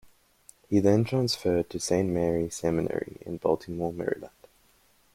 He then transferred to Saint Mary Seminary in Baltimore, Maryland.